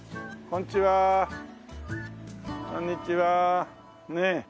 こんにちは。ねえ。